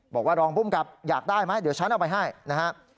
บอกว่ารองภูมิกับอยากได้ไหมเดี๋ยวฉันเอาไปให้นะครับ